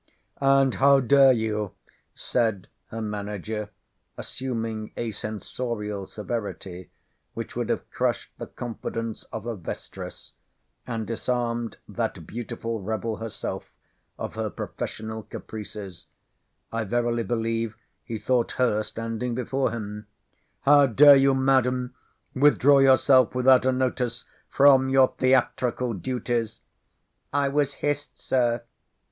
"And how dare you," said her Manager—assuming a censorial severity which would have crushed the confidence of a Vestris, and disarmed that beautiful Rebel herself of her professional caprices—I verily believe, he thought her standing before him—"how dare you, Madam, withdraw yourself, without a notice, from your theatrical duties?" "I was hissed, Sir."